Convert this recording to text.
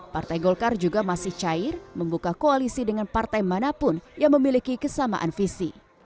partai golkar juga masih cair membuka koalisi dengan partai manapun yang memiliki kesamaan visi